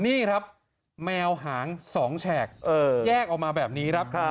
นี่ครับแมวหาง๒แฉกแยกออกมาแบบนี้ครับ